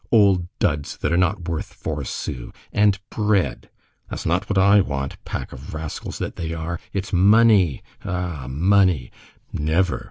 old duds that are not worth four sous! And bread! That's not what I want, pack of rascals that they are, it's money! Ah! money! Never!